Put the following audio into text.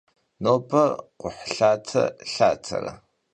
Nobe kxhuhlhate lhatere?